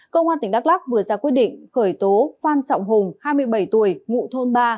công an tỉnh đắk lắc vừa ra quyết định khởi tố phan trọng hùng hai mươi bảy tuổi ngụ thôn ba